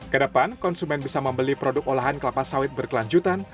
kedepan konsumen bisa membeli produk olahan kelapa sawit berkelanjutan